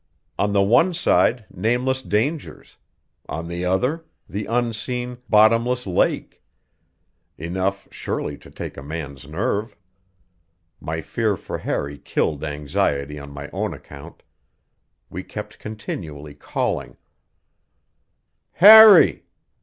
On the one side, nameless dangers; on the other, the unseen, bottomless lake; enough, surely, to take a man's nerve. My fear for Harry killed anxiety on my own account. We kept continually calling: "Harry!"